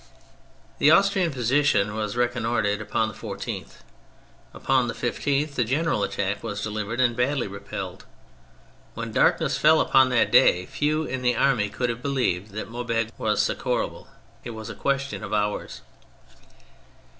The Austrian position was reconnoitred upon the 14th. Upon the 15th the general attack was delivered and badly repelled. When darkness fell upon that day few in the army could have believed that Maubeuge was succourable — and it was a question of hours.